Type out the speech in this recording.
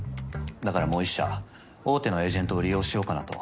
だからもう１社大手のエージェントを利用しようかなと。